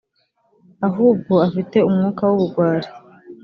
ahubwo afite umwuka w’ubugwari